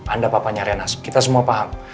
anda papanya renas kita semua paham